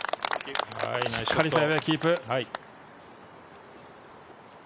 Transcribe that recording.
しっかりフェアウエーをキープ。